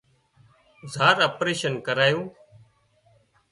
زار اپريشن ڪرايوُن